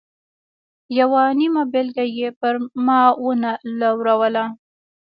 یوه نیمه بېلګه یې پر ما و نه لوروله.